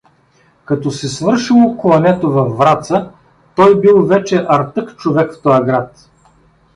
Като се свършило клането във Враца, той бил вече артък човек в тоя град.